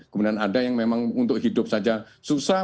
kemudian ada yang memang untuk hidup saja susah